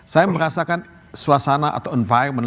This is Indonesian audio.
saya merasakan suasana atau environment